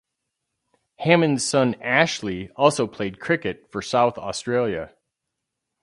Hammond's son Ashley also played cricket for South Australia.